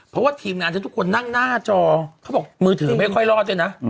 เพราะว่าทีมงานทุกคนนั่งหน้าจอเขาบอกมือถือไม่ค่อยรอดด้วยนะ